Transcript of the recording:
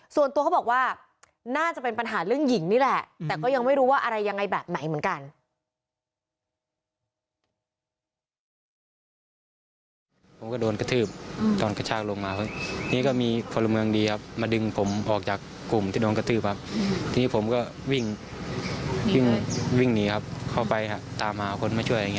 ส่วนตัวเขาบอกว่าน่าจะเป็นปัญหาเรื่องหญิงนี่แหละแต่ก็ยังไม่รู้ว่าอะไรยังไงแบบไหนเหมือนกัน